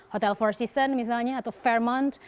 hotel four seasons misalnya atau fairmont